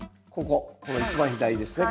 この一番左ですね